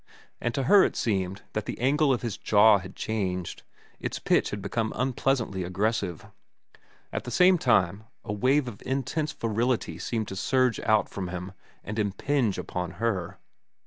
And to her it seemed that the angle of his jaw had changed; its pitch had become unpleasantly aggressive. At the same time a wave of intense virility seemed to surge out from him and impinge upon her.